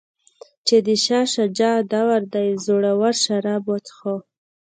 چې د شاه شجاع دور دی زړور شراب وڅښه.